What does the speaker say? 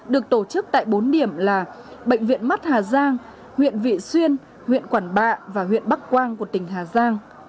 được tổ chức tại bốn điểm là bệnh viện mắt hà giang huyện vị xuyên huyện quản bạ và huyện bắc quang của tỉnh hà giang